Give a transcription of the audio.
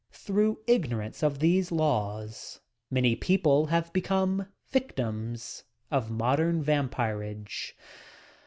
Through ignorance of these laws, many people have become victims of "Modern Vampirage."